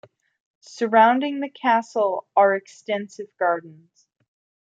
Surrounding the castle are extensive gardens.